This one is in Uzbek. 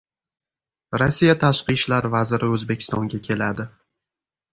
Rossiya tashqi ishlar vaziri O‘zbekistonga keladi